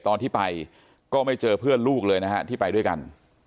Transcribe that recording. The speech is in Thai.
ตอนที่ไปก็ไม่เจอเพื่อนลูกเลยนะฮะที่ไปด้วยกัน